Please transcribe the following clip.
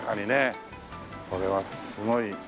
これはすごい。